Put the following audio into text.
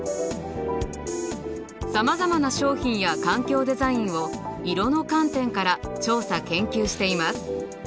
さまざまな商品や環境デザインを色の観点から調査研究しています。